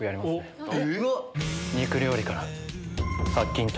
肉料理から。